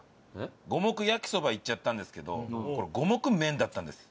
五目焼そばいっちゃったんですけどこれ五目麺だったんです。